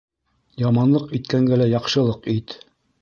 Яманлыҡ иткәнгә лә яҡшылыҡ ит.